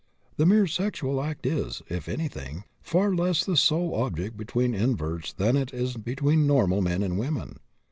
The mere sexual act is, if anything, far less the sole object between inverts than it is between normal men and women.